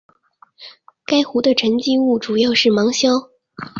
该湖的沉积物主要是芒硝。